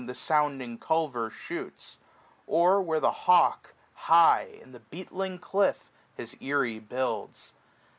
The sounding culver shoots ; or where the hawk, 450 High, in the beetling cliff*, his airy builds.